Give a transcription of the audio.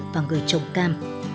và người trồng cam